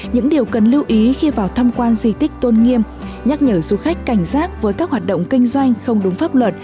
những điều cần lưu ý khi vào thăm quan di tích tôn nghiêm nhắc nhở du khách cảnh giác với các hoạt động kinh doanh không đúng pháp luật